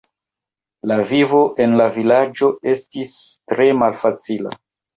La vivo en la vilaĝo estis tre malfacila.